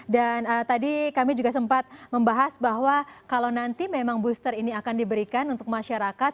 dan tadi kami juga sempat membahas bahwa kalau nanti memang booster ini akan diberikan untuk masyarakat